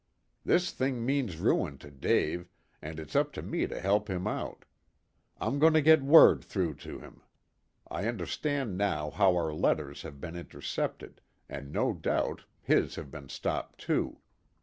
This thing means ruin to Dave, and it's up to me to help him out. I'm going to get word through to him. I understand now how our letters have been intercepted, and no doubt his have been stopped too.